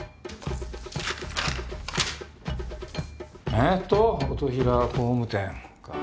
えっと音平工務店か。